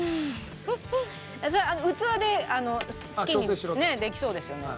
それは器で好きにできそうですよね。